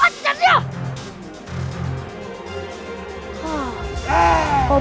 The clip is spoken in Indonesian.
kenapa kau biarkan dia pergi